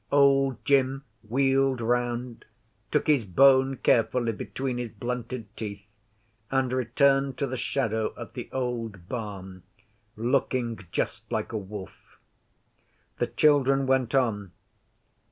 Old Jim wheeled round, took his bone carefully between his blunted teeth, and returned to the shadow of the old barn, looking just like a wolf. The children went on.